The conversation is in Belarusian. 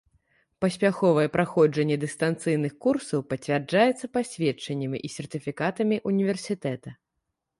Паспяховае праходжанне дыстанцыйных курсаў пацвярджаецца пасведчаннямі і сертыфікатамі універсітэта.